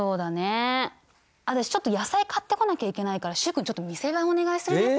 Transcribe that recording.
私ちょっと野菜買ってこなきゃいけないから習君ちょっと店番お願いするね。